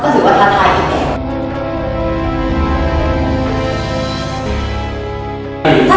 ก็ถือว่าทธาตุไทยด้วยเอง